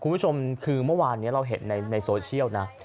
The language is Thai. คุณผู้ชมคือเมื่อวานนี้เราเห็นในโซเชียลนะ